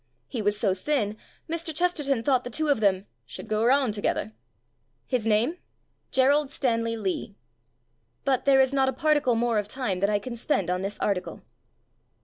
He was so thin Mr. Chesterton thought the two of them "should go around to gether". His name? Gerald Stanley ijee. But there is not a particle more of time that I can spend on this article.